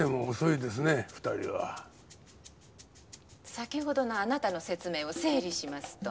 先ほどのあなたの説明を整理しますと。